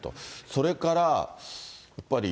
それから、やっぱり、